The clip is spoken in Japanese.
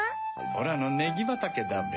オラのネギばたけだべ。